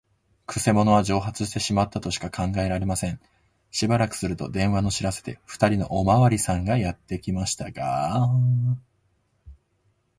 くせ者は蒸発してしまったとしか考えられません。しばらくすると、電話の知らせで、ふたりのおまわりさんがやってきましたが、